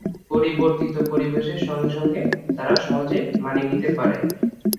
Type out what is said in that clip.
পরিবর্তিত পরিবেশের সঙ্গে সঙ্গে তারা সহজেই মানিয়ে নিতে পারে।